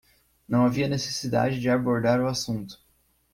Não havia necessidade de abordar o assunto.